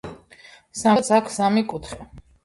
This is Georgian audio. სამკუთხედს აქ სამი კუთხე